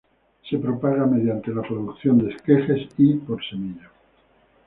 Se propaga mediante la producción de esquejes y por semilla.